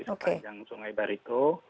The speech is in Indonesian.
di sepanjang sungai barito